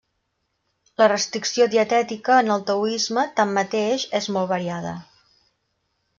La restricció dietètica en el taoisme, tanmateix, és molt variada.